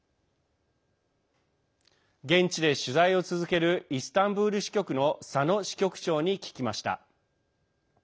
現地で取材を続けるイスタンブール支局の佐野支局長に聞きました。